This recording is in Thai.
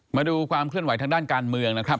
มาดูความเคลื่อนไหทางด้านการเมืองนะครับ